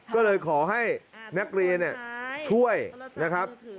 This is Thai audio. ก็เลยขอให้นักเรียนช่วยนะครับ